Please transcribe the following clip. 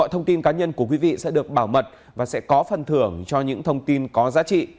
mọi thông tin cá nhân của quý vị sẽ được bảo mật và sẽ có phần thưởng cho những thông tin có giá trị